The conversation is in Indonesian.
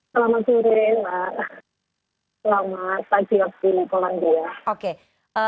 selamat sore mbak selamat pagi pagi di polandia